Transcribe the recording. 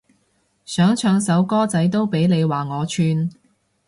想唱首歌仔都俾你話我串